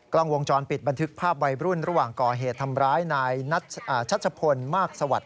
กล้องวงจรปิดบันทึกภาพวัยรุ่นระหว่างก่อเหตุทำร้ายนายชัชพลมากสวัสดิ